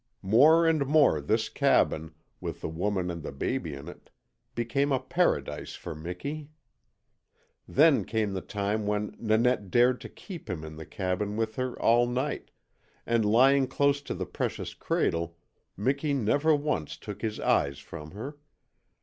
More and more this cabin, with the woman and the baby in it, became a paradise for Miki. Then came the time when Nanette dared to keep him in the cabin with her all night, and lying close to the precious cradle Miki never once took his eyes from her.